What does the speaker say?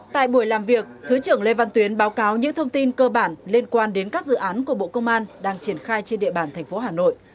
tại buổi làm việc thứ trưởng lê văn tuyến báo cáo những thông tin cơ bản liên quan đến các dự án của bộ công an đang triển khai trên địa bàn thành phố hà nội